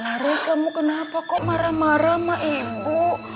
harus kamu kenapa kok marah marah sama ibu